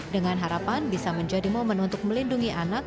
dengan harapan bisa menjadi momen untuk melindungi anak